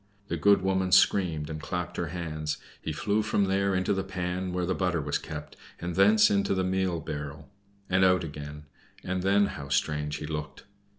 The good woman screamed and clapped her hands. He flew from there into the pan where the butter was kept, and thence into the meal barrel, and out again, and then how strange he looked!